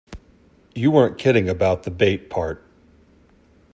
You weren't kidding about the bait part.